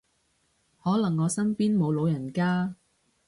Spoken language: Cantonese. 可能我身邊冇老人家